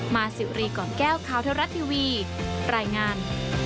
มาสิวรีก่อนแก้วข่าวเทวรัฐทีวีรายงาน